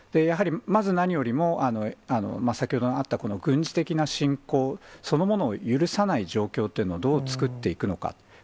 やはりまず何よりも、先ほどあったこの軍事的な侵攻そのものを許さない状況というのをどう作っていくのか。